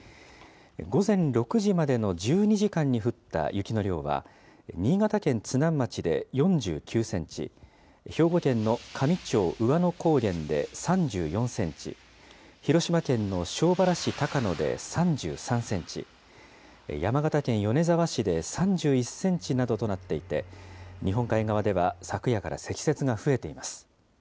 午前６時までの１２時間に降った雪の量は、新潟県津南町で４９センチ、兵庫県の香美町兎和野高原で３４センチ、広島県の庄原市高野で３３センチ、山形県米沢市で３１センチなどとなっていて、日本海側では昨夜から積雪が増えています。